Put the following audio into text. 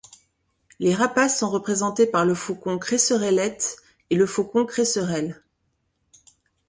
Les rapaces sont représentés par le faucon crécerellette et le faucon crécerelle.